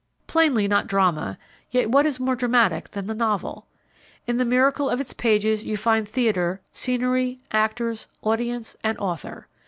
Plainly not Drama, yet what is more dramatic than the Novel? In the miracle of its pages you find theater, scenery, actors, audience and author.